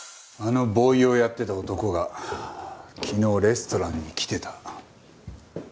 あのボーイをやってた男が昨日レストランに来てた。